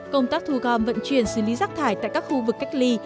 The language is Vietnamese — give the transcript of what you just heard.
công tác thu gom vận chuyển xử lý rác thải tại các khu vực cách ly